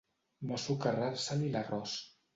No socarrar-se-li l'arròs.